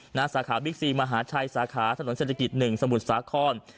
หน้าสาขาบิ๊กซีมหาชัยสาขาถนนเศรษฐกิจ๑สมุทรสาคร